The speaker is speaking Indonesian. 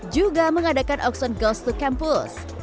juga mengadakan okson ghost to campus